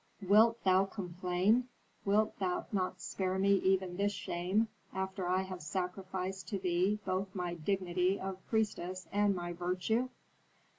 "Wilt thou complain? Wilt thou not spare me even this shame after I have sacrificed to thee both my dignity of priestess and my virtue?"